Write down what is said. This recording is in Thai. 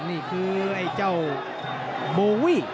นี่คือไอ้เจ้าโบวี่